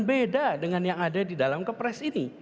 beda dengan yang ada di dalam kepres ini